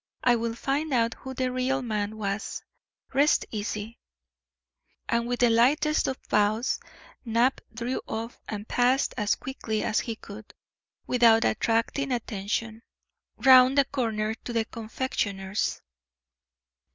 I will find out who the real man was; rest easy." And with the lightest of bows, Knapp drew off and passed as quickly as he could, without attracting attention, round the corner to the confectioner's.